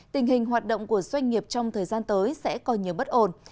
tình hình hoạt động của doanh nghiệp trong thời gian tới sẽ còn nhiều bất ổn